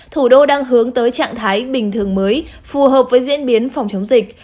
thủ đô đang hướng tới trạng thái bình thường mới phù hợp với diễn biến phòng chống dịch